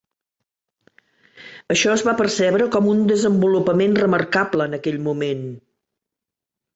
Això es va percebre com un desenvolupament remarcable en aquell moment.